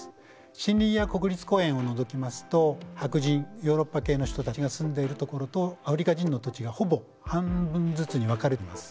森林や国立公園を除きますと白人ヨーロッパ系の人たちが住んでいる所とアフリカ人の土地がほぼ半分ずつに分かれてます。